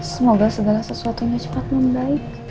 semoga segala sesuatunya cepat membaik